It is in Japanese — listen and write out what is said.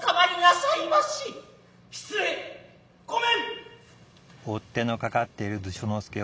失礼御免。